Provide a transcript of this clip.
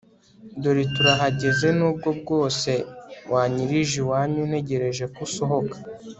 dore turahageze nubwo bwose wanyirije iwanyu ntegereje ko usohoka